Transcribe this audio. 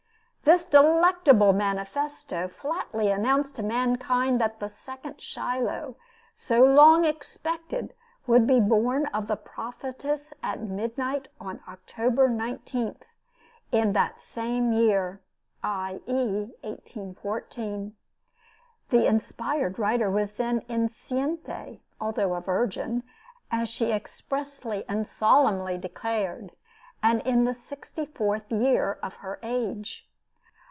This delectable manifesto flatly announced to mankind that the second Shiloh, so long expected, would be born of the Prophetess at midnight, on October 19, in that same year, i. e. 1814. The inspired writer was then enceinte, although a virgin, as she expressly and solemnly declared, and in the sixty fourth year of her age.